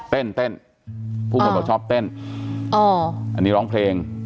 เต้นเต้นผู้คนบอกชอบเต้นอ๋ออันนี้ร้องเพลง